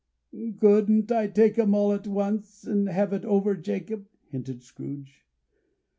"Couldn't I take 'em all at once, and have it over, Jacob?" hinted Scrooge.